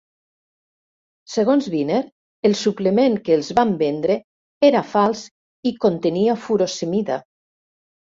Segons Viner, el suplement que els van vendre era fals i contenia furosemida.